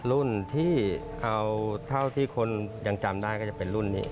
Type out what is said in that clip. รุ่นที่เอาเท่าที่คนยังจำได้ก็จะเป็นรุ่นนี้